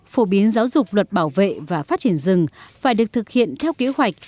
phổ biến giáo dục luật bảo vệ và phát triển rừng phải được thực hiện theo kế hoạch